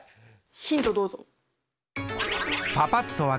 ヒントどうぞ。